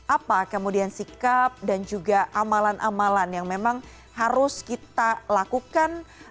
apa kemudian sikap dan juga amalan amalan yang memang harus kita lakukan